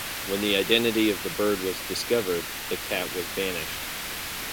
When the identity of the bird was discovered, the cat was banished.